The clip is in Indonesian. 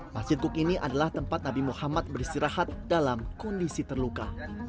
masjid kuk ini adalah tempat nabi muhammad beristirahat dalam kondisi terluka